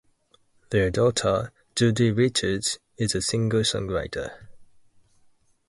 Their daughter, Judi Richards, is a singer-songwriter.